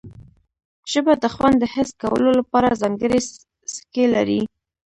ژبه د خوند د حس کولو لپاره ځانګړي څکي لري